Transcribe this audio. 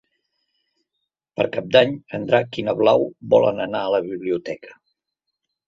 Per Cap d'Any en Drac i na Blau volen anar a la biblioteca.